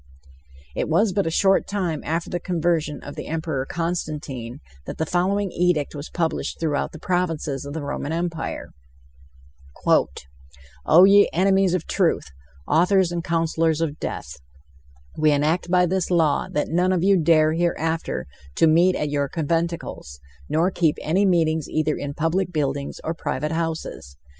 It was but a short time after the conversion of the Emperor Constantine, that the following edict was published throughout the provinces of the Roman Empire: "O ye enemies of truth, authors and counsellors of death we enact by this law that none of you dare hereafter to meet at your conventicles...nor keep any meetings either in public buildings or private houses.